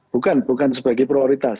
bukan bukan sebagai prioritas